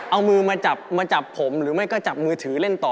เอามือมาจับมาจับผมหรือไม่ก็จับมือถือเล่นต่อ